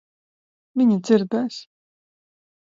Viņa dzirdēs.